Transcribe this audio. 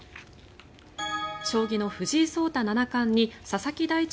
将棋の藤井聡太七冠に佐々木大地